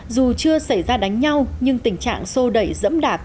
dù chưa xảy ra đánh nhau nhưng tình trạng sô đẩy dẫm đạp